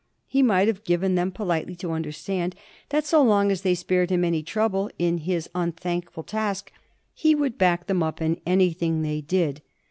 He might have given them politely to understand that so long as they spared him any trouble in his unthankful task he would back them up in anything they did.